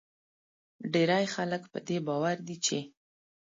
ډیری خلک په دې باور دي چې